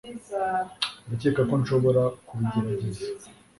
Ndakeka ko nshobora kubigerageza